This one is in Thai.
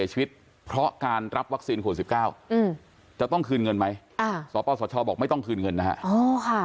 จะต้องคืนเงินไหมอ่าสตสชบอกไม่ต้องคืนเงินนะฮะอ๋อค่ะ